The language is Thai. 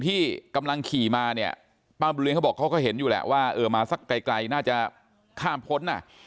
ที่กำลังขี่มาเนี่ยป้าบุญเลี้ยเขาบอกเขาก็เห็นอยู่แหละว่าเออมาสักไกลน่าจะข้ามพ้นอ่ะ